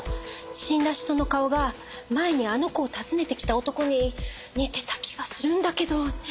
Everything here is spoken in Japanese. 死んだ人の顔が前にあの子を訪ねてきた男に似てた気がするんだけどね。